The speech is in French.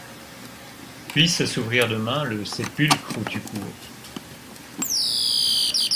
Puisse s’ouvrir demain le sépulcre où tu cours!